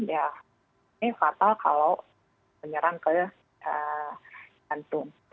ya ini fatal kalau menyerang ke jantung